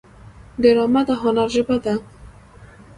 ډرامه د هنر ژبه ده